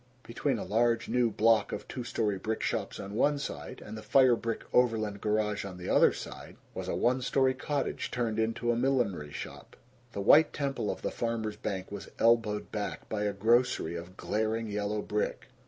Between a large new "block" of two story brick shops on one side, and the fire brick Overland garage on the other side, was a one story cottage turned into a millinery shop. The white temple of the Farmers' Bank was elbowed back by a grocery of glaring yellow brick.